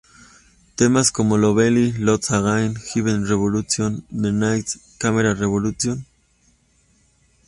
Temas como ""Lovely"", ""Lost Again"" ""Give it Revolution"", de "Lights...Camera...Revolution!